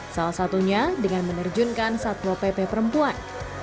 salah satunya dengan menerjunkan satpol pp perempuan